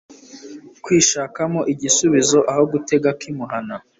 kwishakamo ibisubizo aho gutega ak' imuhana